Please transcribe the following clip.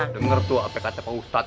dengar tuh apa kata pak ustadz